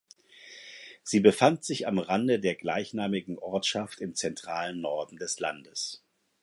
Sie befand sich am Rande der gleichnamigen Ortschaft im zentralen Norden des Landes.